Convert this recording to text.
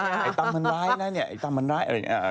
คลิปหลุดไอ้ตัมมันร้ายนะเนี่ยไอ้ตัมมันร้าย